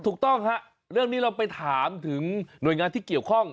ถูกต้องฮะเรื่องนี้เราไปถามถึงหน่วยงานที่เกี่ยวข้อง